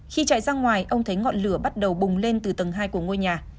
khi chạy ra ngoài ông thấy ngọn lửa bắt đầu bùng lên từ tầng hai của ngôi nhà